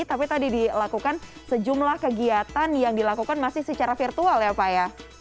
tapi tadi dilakukan sejumlah kegiatan yang dilakukan masih secara virtual ya pak ya